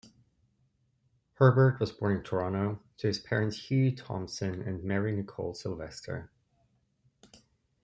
Herbert was born in Toronto to parents Hugh Thomson and Mary Nichol Sylvester.